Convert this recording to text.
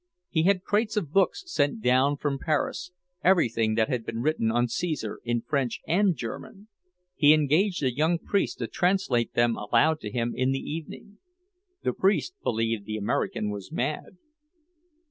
He had crates of books sent down from Paris, everything that had been written on Caesar, in French and German; he engaged a young priest to translate them aloud to him in the evening. The priest believed the American was mad.